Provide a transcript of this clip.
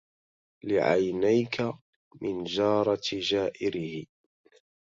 لعينيك من جارة جائره